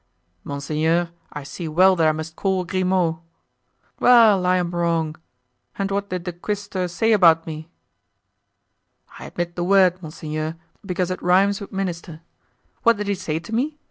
"Monseigneur, I see well that I must call Grimaud." "Well, I am wrong. And what did the cuistre [pettifogger] say about me?" "I admit the word, monseigneur, because it rhymes with ministre [minister]. What did he say to me?